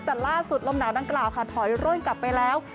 แต่ล่าสุดลมหนาวดังกล่าวค่ะถอยร่นกลับไปแล้ว